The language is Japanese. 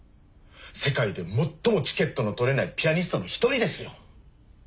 世界で最もチケットの取れないピアニストの一人ですよ。